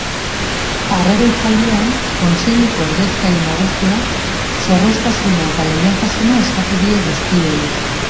Harrera hitzaldian, kontseiluko ordezkari nagusiak zorroztasuna eta leialtasuna eskatu die guztiei.